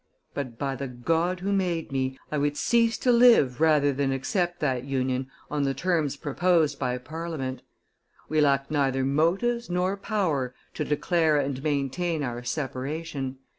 But, by the God who made me, I would cease to live rather than accept that union on the terms proposed by Parliament. We lack neither motives nor power to declare and maintain our separation.